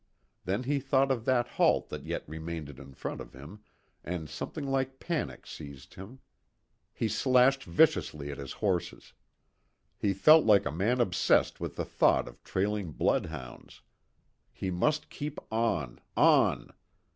Then he thought of that halt that yet remained in front of him, and something like panic seized him. He slashed viciously at his horses. He felt like a man obsessed with the thought of trailing bloodhounds. He must keep on, on.